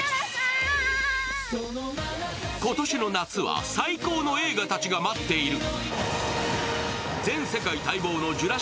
今年の夏は、最高の映画たちが待っている。